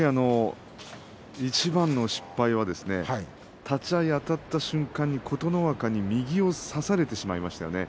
いちばんの失敗は、立ち合いあたった瞬間に琴ノ若に右を差されてしまいましたね。